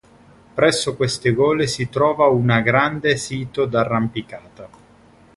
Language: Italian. Presso queste gole si trova una grande sito d'arrampicata.